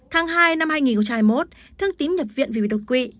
tháng hai năm hai nghìn hai mươi một thương tín nhập viện vì bị độc quỵ